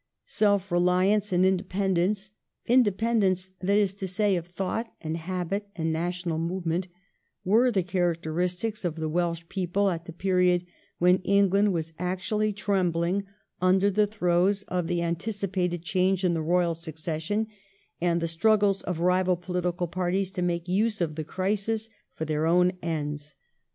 Self reliance and independence — indepen dence, that is to say, of thought and habit and national movement — were the characteristics of the Welsh people at the period when England was actually trembling under the throes of the anticipated change in the royal succession, and the struggles of rival political parties to make use of the crisis for their own ends.